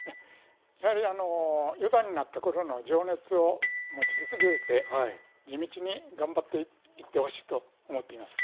やはりあの四段になった頃の情熱を持ち続けて地道に頑張っていってほしいと思っています。